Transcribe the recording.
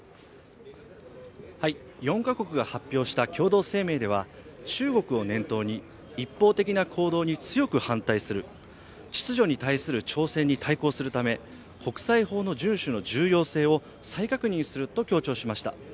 ４か国が発表した共同声明では中国を念頭に一方的な行動に強く反対する、秩序に対する挑戦に対抗するため国際法の順守の重要性を再確認すると強調しました。